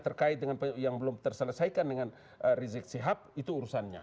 terkait dengan yang belum terselesaikan dengan rizik sihab itu urusannya